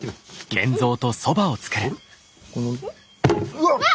うわっ！